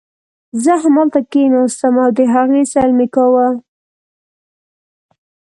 زه همالته کښېناستم او د هغې سیل مې کاوه.